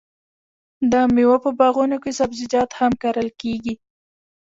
د میوو په باغونو کې سبزیجات هم کرل کیږي.